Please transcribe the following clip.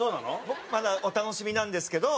僕まだお楽しみなんですけど。